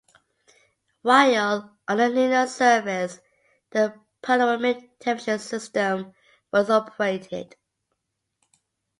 While on the lunar surface, the panoramic television system was operated.